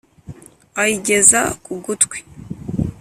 ayigeza ku gutwi